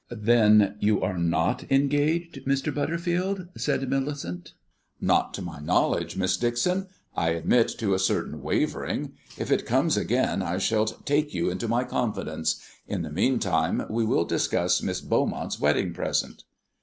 "Then you are not engaged, Mr. Butterfield?" said Millicent. "Not to my knowledge, Miss Dixon. I admit to a certain wavering. If it comes again I will take you into my confidence; in the meantime we will discuss Miss Beaumont's wedding present."